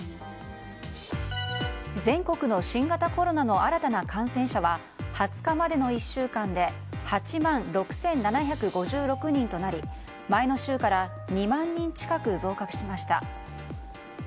全国の新型コロナの新たな感染者は２０日までの１週間で８万６７５６人となり前の週から２万人近く増加しました。